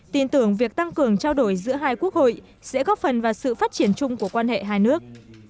tin tưởng việc tăng cường trao đổi giữa hai quốc hội sẽ góp phần vào sự phát triển chung của quan hệ hai nước